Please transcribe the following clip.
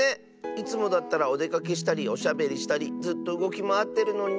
いつもだったらおでかけしたりおしゃべりしたりずっとうごきまわってるのに。